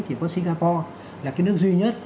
thì có singapore là cái nước duy nhất